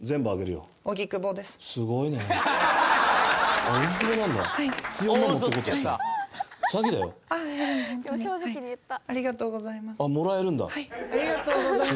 ありがとうございます。